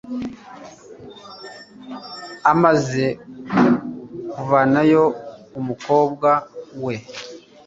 amaze kuvanayo umukobwa we